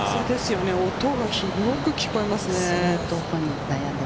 音がよく聞こえますね。